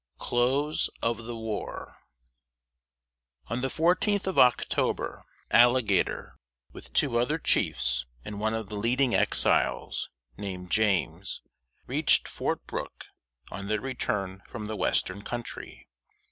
[Sidenote: 1841.] On the fourteenth of October, Alligator, with two other chiefs, and one of the leading Exiles, named James, reached Fort Brooke, on their return from the Western Country.